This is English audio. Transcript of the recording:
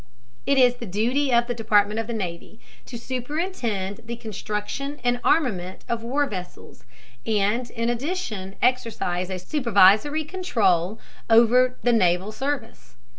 It is the duty of the Department of the Navy to superintend the construction and armament of war vessels, and in addition exercise a supervisory control over the naval service.